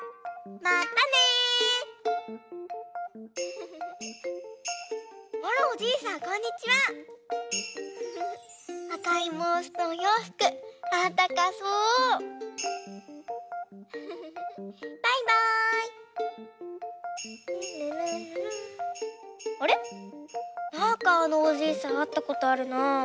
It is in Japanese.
なんかあのおじいさんあったことあるなあ。